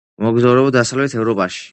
მოგზაურობა დასავლეთ ევროპაში.